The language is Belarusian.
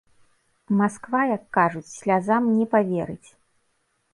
Масква, як кажуць, слязам не паверыць.